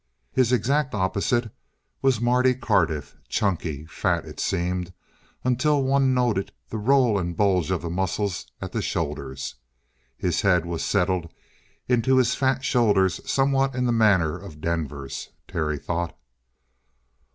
His exact opposite was Marty Cardiff, chunky, fat, it seemed, until one noted the roll and bulge of the muscles at the shoulders. His head was settled into his fat shoulders somewhat in the manner of Denver's, Terry thought.